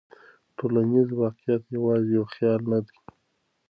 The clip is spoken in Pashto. ټولنیز واقعیت یوازې یو خیال نه دی.